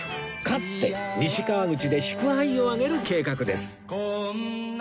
勝って西川口で祝杯を挙げる計画です